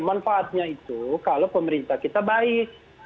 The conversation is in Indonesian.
manfaatnya itu kalau pemerintah kita baik